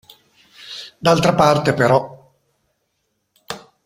D'altra parte, però.